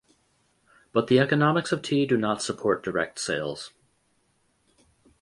But the economics of tea do not support direct sales.